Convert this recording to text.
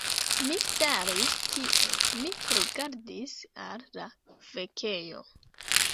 Mi staris tie, mi rigardis al la fekejo